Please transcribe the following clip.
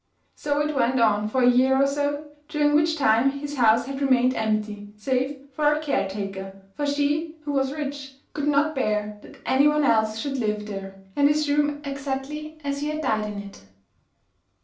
So it went on for a year or so, during which time his house had remained empty, save for a caretaker, for she (who was rich) could not bear that any one else should live there, and his room exactly as he had died in it.